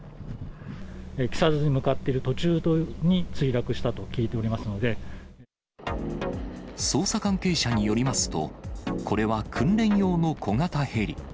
木更津に向かっている途中に捜査関係者によりますと、これは訓練用の小型ヘリ。